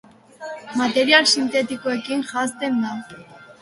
Material sintetikoekin janzten da.